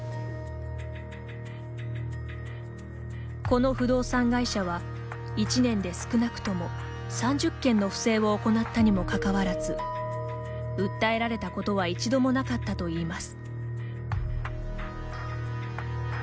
この不動産会社は１年で、少なくとも３０件の不正を行ったにもかかわらず訴えられたことは一度もなかったといいます。